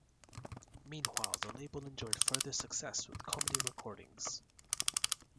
Meanwhile, the label enjoyed further success with comedy recordings.